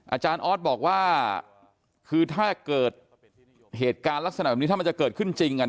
อาจารย์ออสบอกว่าคือถ้าเกิดเหตุการณ์ลักษณะแบบนี้ถ้ามันจะเกิดขึ้นจริง